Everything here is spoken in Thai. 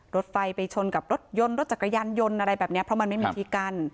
รถไฟไปชนกับรถยนต์รถจักรยานยนต์อะไรแบบนี้เพราะมันไม่มีที่กั้น